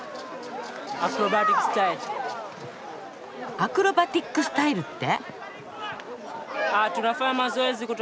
アクロバティック・スタイルって？